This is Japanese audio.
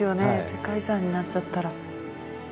世界遺産になっちゃったら。